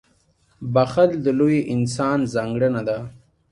• بښل د لوی انسان ځانګړنه ده.